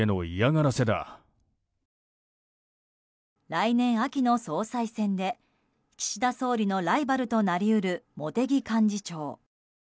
来年秋の総裁選で岸田総理のライバルとなり得る茂木幹事長。